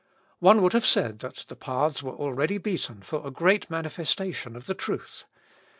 One would have said that the paths were already beaten for a great manifestation of the truth.